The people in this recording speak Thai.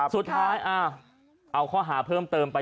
สุดท้ายเอาข้อหาเพิ่มเติมไป